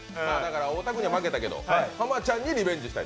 太田君には負けたけど、濱ちゃんにはリベンジしたい？